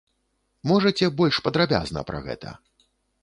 Можаце больш падрабязна пра гэта?